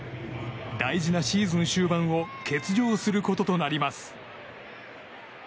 大事なシーズン終盤を欠場することとなります。